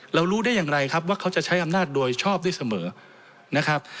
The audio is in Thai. รู้ได้อย่างไรครับว่าเขาจะใช้อำนาจโดยชอบด้วยเสมอนะครับ